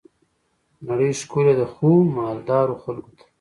نړۍ ښکلي ده خو، مالدارو خلګو ته.